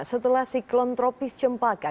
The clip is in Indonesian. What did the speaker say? setelah siklon tropis cempaka